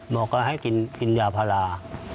หมอก็ให้กินยาพารา